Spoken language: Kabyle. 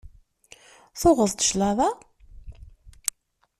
Tuɣeḍ-d claḍa?